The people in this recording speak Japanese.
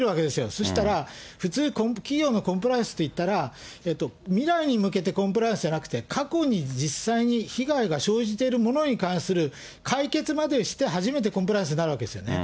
そしたら普通企業のコンプライアンスといったら、未来に向けてコンプライアンスじゃなくて、過去に実際に被害が生じてるものに関する解決までをして初めてコンプライアンスになるわけですよね。